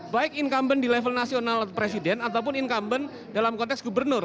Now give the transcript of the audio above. baik incumbent di level nasional presiden ataupun incumbent dalam konteks gubernur